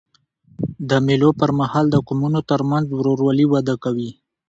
د مېلو پر مهال د قومونو ترمنځ ورورولي وده کوي.